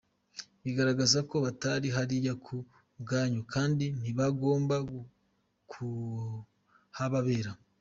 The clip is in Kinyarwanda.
Bigaragaza ko batari hariya ku bwanyu kandi ntibagomba kuhababera.